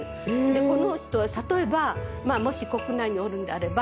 この人は例えばもし国内におるんであれば。